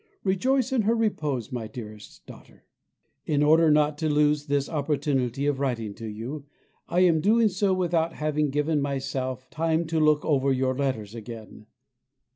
Rejoice in her repose, my dearest daughter. In order not to lose this opportunity of writing to you I am doing so without having given myself time to look over your letters again.